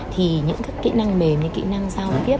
thì những kỹ năng mềm kỹ năng giao tiếp